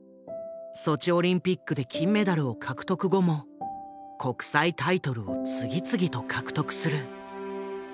ソチオリンピックで金メダルを獲得後も国際タイトルを次々と獲得する。